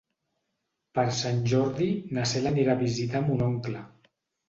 Per Sant Jordi na Cel anirà a visitar mon oncle.